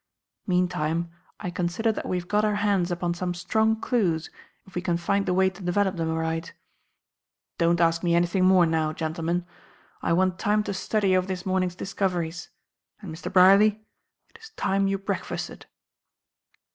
Meantime I consider that we have got our hands upon some strong clues, if we can find the way to develop them aright. Don't ask me anything more now, gentlemen. I want time to study over this morning's discoveries, and Mr. Brierly, it is time you breakfasted."